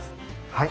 はい。